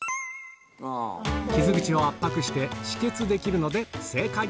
傷口を圧迫して、止血できるので正解。